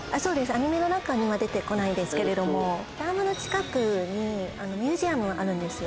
アニメの中には出てこないですけれどもダムの近くにミュージアムあるんですよ